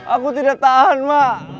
aku tidak tahan ma